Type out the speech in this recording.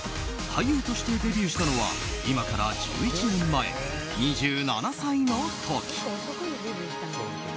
俳優としてデビューしたのは今から１１年前、２７歳の時。